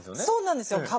そうなんですよ。